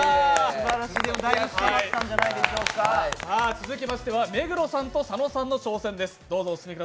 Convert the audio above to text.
続きましては目黒さんと佐野さんのコンビです。